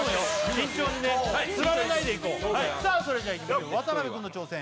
慎重にねつられないでいこうはいさあそれじゃあいきましょう渡辺くんの挑戦